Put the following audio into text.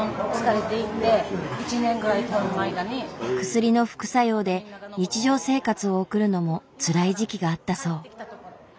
薬の副作用で日常生活を送るのもつらい時期があったそう。